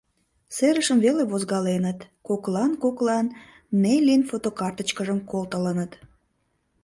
Серышым веле возгаленыт, коклан-коклан Неллин фотокарточкыжым колтылыныт.